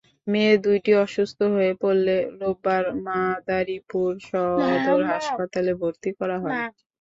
মেয়ে দুটি অসুস্থ হয়ে পড়লে রোববার মাদারীপুর সদর হাসপাতালে ভর্তি করা হয়।